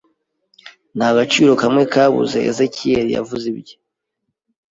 nta gaciro kamwe kabuze Ezekiyeli yavuze ibye